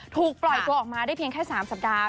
ถูกปล่อยตัวออกมาได้เพียงแค่๓สัปดาห์